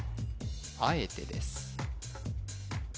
あえてです